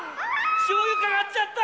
しょうゆかかっちゃった！